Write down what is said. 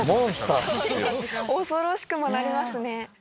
恐ろしくもなりますね。